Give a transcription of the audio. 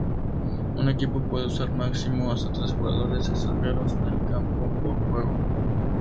Un equipo puede usar máximo hasta tres jugadores extranjeros en el campo por juego.